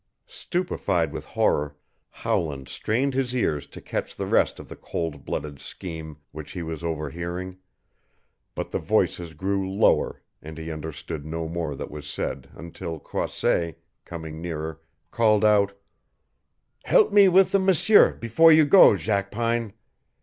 Stupefied with horror, Howland strained his ears to catch the rest of the cold blooded scheme which he was overhearing, but the voices grew lower and he understood no more that was said until Croisset, coming nearer, called out: "Help me with the M'seur before you go, Jackpine.